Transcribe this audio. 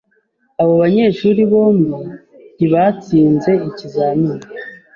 Abo banyeshuri bombi ntibatsinze ikizamini.